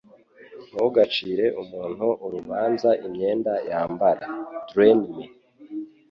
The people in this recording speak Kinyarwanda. Ntugacire umuntu urubanza imyenda yambara. (drnm)